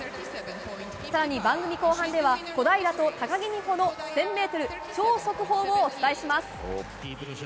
更に、番組後半では小平と高木美帆の１０００ｍ超速報をお伝えします。